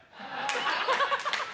ハハハハハ。